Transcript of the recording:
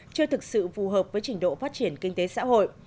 chưa thực sự phù hợp với trình độ phát triển kinh tế xã hội